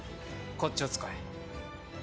こっちを使え。